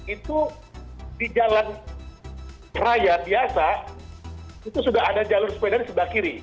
itu di jalan raya biasa itu sudah ada jalur sepeda di sebelah kiri